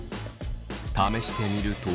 試してみると。